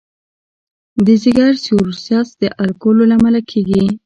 د ځګر سیروسس د الکولو له امله کېږي.